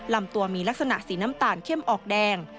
ลำตัวมีลักษณะสีน้ำตาลเข้มออกแดง